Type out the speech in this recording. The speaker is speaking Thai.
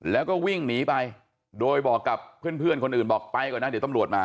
แล้วก็วิ่งหนีไปโดยบอกกับเพื่อนคนอื่นบอกไปก่อนนะเดี๋ยวตำรวจมา